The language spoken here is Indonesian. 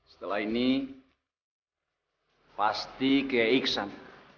setelah ini pasti keiksan